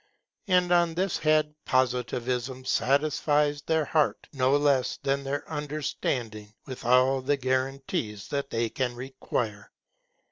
And on this head Positivism satisfies their heart no less than their understanding with all the guarantees that they can require.